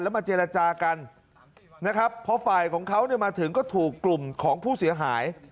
มาเจรจากันนะครับเพราะฝ่ายของเขาเนี่ยมาถึงก็ถูกกลุ่มของผู้เสียหาย